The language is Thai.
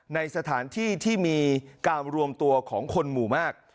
ในสถานที่ที่มีการรวมตัวของคนหมู่มาก